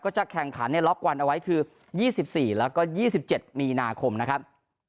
จะแข่งขันในล็อกวันเอาไว้คือ๒๔แล้วก็๒๗มีนาคมนะครับ